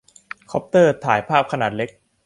คอปเตอร์ถ่ายภาพขนาดเล็ก